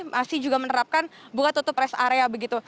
masih juga menerapkan buka tutup rest area begitu